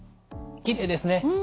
きれいですね！